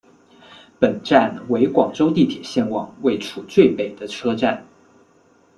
本站为广州地铁线网位处最北的车站。